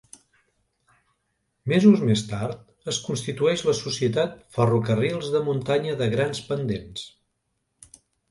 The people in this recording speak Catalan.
Mesos més tard es constitueix la societat Ferrocarrils de Muntanya de Grans Pendents.